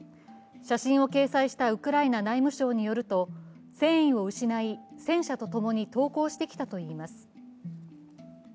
写真を掲載したウクライナ内務相によると戦意を失い、戦車とともに投降してきたといいます。